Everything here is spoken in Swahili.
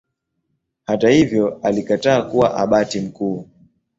Hata hivyo alikataa kuwa Abati mkuu.